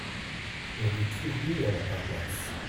On est curieux à la paroisse.